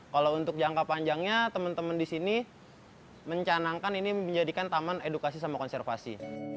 kalau untuk jangka panjangnya teman teman di sini mencanangkan ini menjadikan taman edukasi sama konservasi